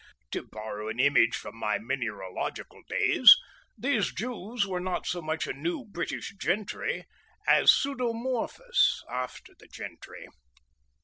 To borrow an image from my mineralogical days, these Jews were not so much a new British gentry as "pseudomorphous" after the gentry.